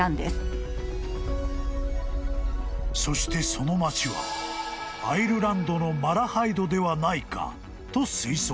［そしてその町はアイルランドのマラハイドではないかと推測］